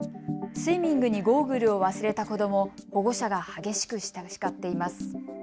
スイミングにゴーグルを忘れた子どもを保護者が激しく叱っています。